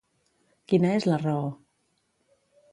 Quina és la raó?